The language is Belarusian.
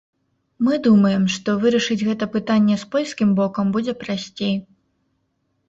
Мы думаем, што вырашыць гэта пытанне з польскім бокам будзе прасцей.